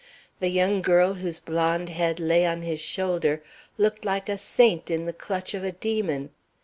The young girl whose blond head lay on his shoulder looked like a saint in the clutch of a demon.